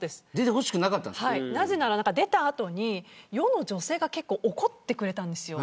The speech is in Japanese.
なぜなら出た後に世の女性が結構怒ってくれたんですよ。